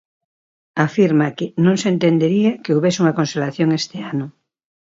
Afirma que "non se entendería" que houbese unha conxelación este ano.